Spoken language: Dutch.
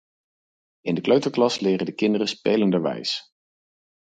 In de kleuterklas leren de kinderen spelenderwijs.